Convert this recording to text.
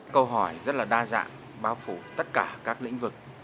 câu hỏi rất là đa dạng bao phủ tất cả các lĩnh vực